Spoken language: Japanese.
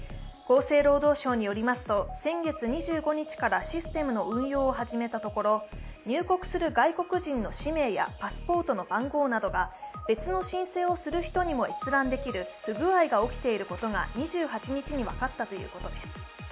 厚生労働省によりますと、先月２５日からシステムの運用を始めたところ、入国する外国人の氏名やパスポートの番号などが別の申請をする人も閲覧できる不具合が起きていることが２８日に分かったということです。